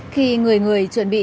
khi người người chuẩn bị